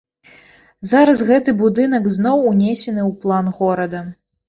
Зараз гэты будынак зноў унесены ў план горада.